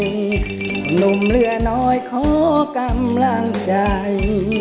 หนุ่มเหลือน้อยขอกำลังใจ